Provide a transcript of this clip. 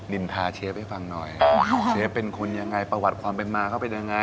นินพาเชฟให้ฟังหน่อยเชฟเป็นคนยังไงประวัติความเป็นมาเขาเป็นยังไง